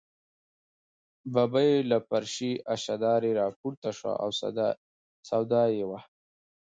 ببۍ له فرشي اشدارې راپورته شوه، سودا یې وه.